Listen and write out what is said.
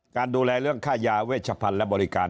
การดูแลเรื่องค่ายาเวชพันธ์และบริการ